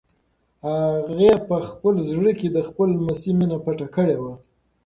هغې په خپل زړه کې د خپل لمسي مینه پټه کړې وه.